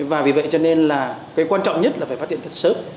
và vì vậy cho nên là cái quan trọng nhất là phải phát hiện thật sớm